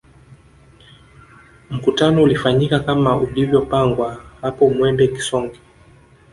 Mkutano ulifanyika kama ulivyopangwa hapo Mwembe Kisonge